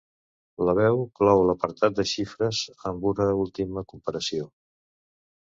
La veu clou l'apartat de xifres amb una última comparació.